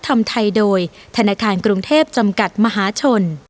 ทำไทยโดยธนาคารกรุงเทพจำกัดมหาชน